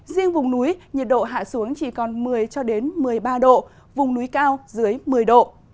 riêng vùng núi nhiệt độ hạ xuống chỉ còn một mươi cho đến một mươi ba độ vùng núi cao dưới một mươi độ